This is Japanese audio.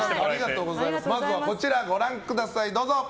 まずはこちら、ご覧ください。